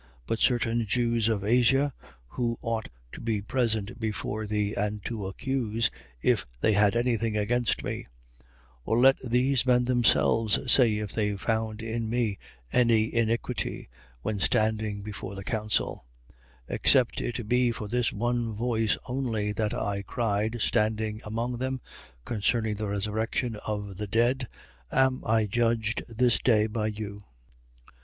24:19. But certain Jews of Asia, who ought to be present before thee and to accuse, if they had anything against me: 24:20. Or let these men themselves say if they found in me any iniquity, when standing before the council, 24:21. Except it be for this one voice only that I cried, standing among them: Concerning the resurrection of the dead am I judged this day by you.